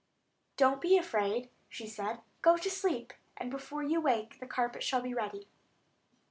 "Don't be afraid," she said; "go to sleep, and before you wake the carpet shall be ready."